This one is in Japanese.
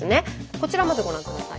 こちらまずご覧下さい。